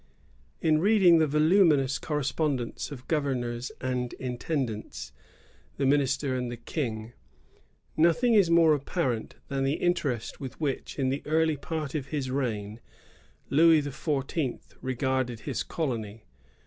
83 In reading the voluminons correspondence of gov ernors and intendants, the minister and the King, nothing is more apparent than the interest with which, in the early part of his reign, Louis XIV. regarded his colony.